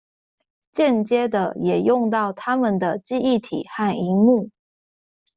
間接地也用到他們的記憶體和螢幕